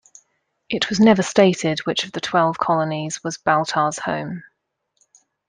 It is never stated which of the Twelve Colonies was Baltar's home.